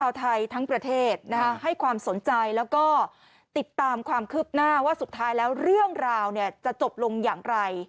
ทั้งประเทศให้ความสนใจแล้วก็ติดตามความคืบหน้าว่าสุดท้ายแล้วเรื่องราวจะจบลงอย่างไร